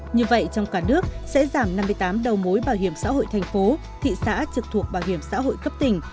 như vậy trong cả nước sẽ giảm năm mươi tám đầu mối bảo hiểm xã hội thành phố thị xã trực thuộc bảo hiểm xã hội cấp tỉnh